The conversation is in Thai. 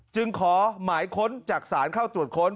จึงขอหมายค้นจากศาลเข้าตรวจค้น